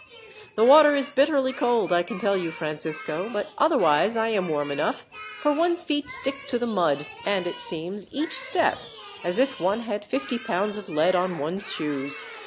"The water is bitterly cold, I can tell you, Francisco; but otherwise I am warm enough, for one's feet stick to the mud, and it seems, each step, as if one had fifty pounds of lead on one's shoes.